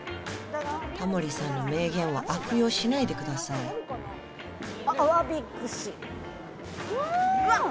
タモリさんの名言は悪用しないでください・うわっ！